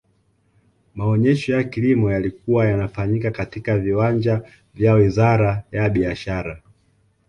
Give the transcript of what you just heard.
maonyesho ya kilimo yalikuwa yanafanyika katika viwanja vya wizara ya biashara